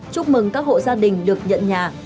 chúc mừng các hộ gia đình được nhận nhà